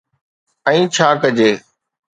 ۽ ڇا ڪجي؟